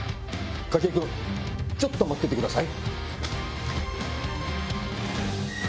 筧君ちょっと待っててください。